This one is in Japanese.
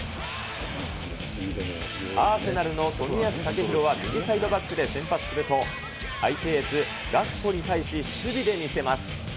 アーセナルの冨安健洋は右サイドバックで先発すると、相手エース、ガクポに対し、守備で見せます。